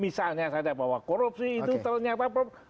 misalnya saja bahwa korupsi itu ternyata